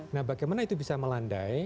nah bagaimana itu bisa melandai